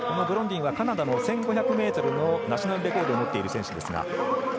ブロンディンはカナダの１５００ｍのナショナルレコードを持っている選手です。